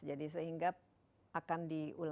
jadi sehingga akan diulangkan